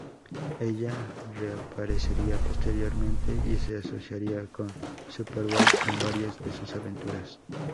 Ella reaparecería posteriormente y se asociaría con Superboy en varias de sus aventuras.